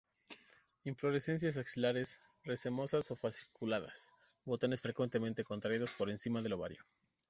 Inflorescencias axilares, racemosas o fasciculadas; botones frecuentemente contraídos por encima del ovario.